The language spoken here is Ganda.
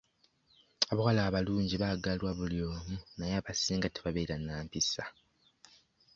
Abawala abalungi baagalwa buli muntu naye abasinga tebabeera na mpisa.